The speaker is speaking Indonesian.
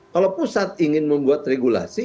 kalau pusat ingin membuat regulasi